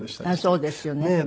ああそうですよね。